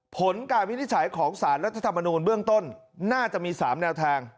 ผลการวินิจฉัยของสารรัฐธรรมนูลเบื้องต้นน่าจะมี๓แนวทาง